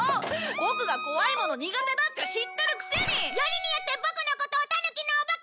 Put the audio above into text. ボクが怖いもの苦手だって知ってるくせに！よりによってボクのことをタヌキのお化けだなんて！